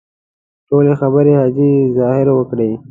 ټولې خبرې حاجي ظاهر وکړې.